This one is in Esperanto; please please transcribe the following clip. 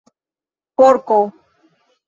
porko